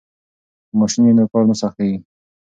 که ماشین وي نو کار نه سختیږي.